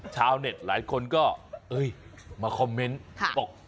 ชาวเน็ตหลายคนก็มาคอมเมนต์บอก